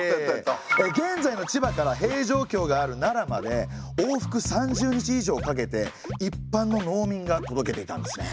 現在の千葉から平城京がある奈良まで往復３０日以上かけていっぱんの農民が届けていたんですね。